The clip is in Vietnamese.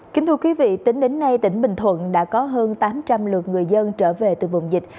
kính thưa quý vị tính đến nay tỉnh bình thuận đã có hơn tám trăm linh lượt người dân trở về từ vùng dịch